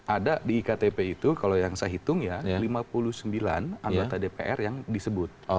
ada di iktp itu kalau yang saya hitung ya lima puluh sembilan anggota dpr yang disebut